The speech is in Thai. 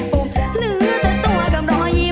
ถือพระมจารย์